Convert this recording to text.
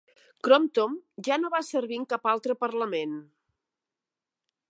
Crompton ja no va servir en cap altre parlament.